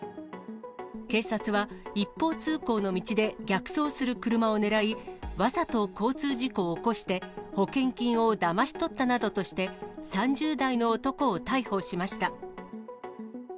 警察は、一方通行の道で逆走する車を狙い、わざと交通事故を起こして、保険金をだまし取ったなどとして、３０代の男を逮捕しました。